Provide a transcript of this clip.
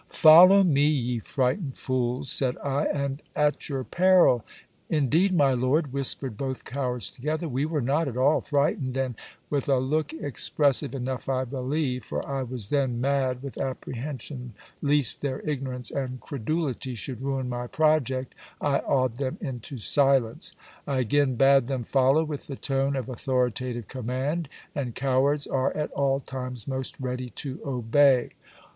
'Follow me, ye frightened fools,' said I, 'and at your peril ' 'Indeed, my lord,' whispered both cowards together, 'we were not at all frightened, and ' With a look expressive enough I believe, for I was then mad with apprehension least their ignorance and credulity should ruin my project, I awed them into silence. I again bade them follow with the tone of authoritative command, and cowards are at all times most ready to obey.